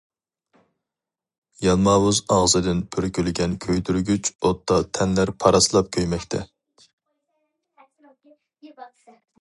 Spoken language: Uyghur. يالماۋۇز ئاغزىدىن پۈركۈلگەن كۆيدۈرگۈچ ئوتتا تەنلەر پاراسلاپ كۆيمەكتە.